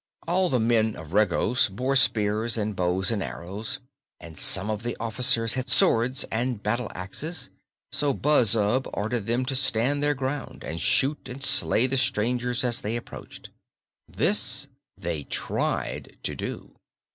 All the men of Regos bore spears and bows and arrows, and some of the officers had swords and battle axes; so Buzzub ordered them to stand their ground and shoot and slay the strangers as they approached. This they tried to do.